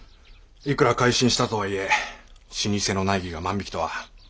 いくら改心したとはいえ老舗の内儀が万引きとは。